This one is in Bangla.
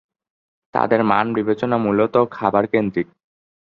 তাদের মান বিবেচনা মূলত খাবারকেন্দ্রিক।